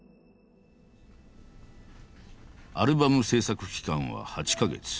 アルバム制作期間は８か月。